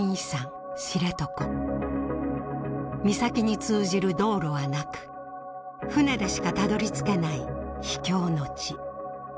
岬に通じる道路はなく船でしかたどり着けない秘境の地。